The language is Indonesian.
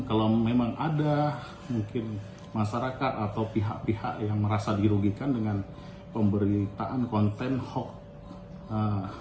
kalau memang ada mungkin masyarakat atau pihak pihak yang merasa dirugikan dengan pemberitaan konten hoax